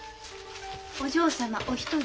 お嬢様お一人？